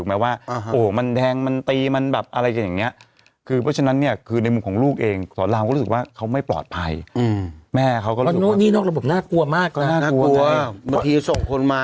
ปลอดภัยอืมแม่เขาก็นี่นอกระบบน่ากลัวมากน่ากลัวบางทีส่งคนมา